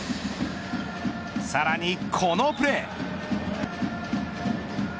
さらにこのプレー。